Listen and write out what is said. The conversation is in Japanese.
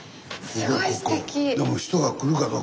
すごいすてき。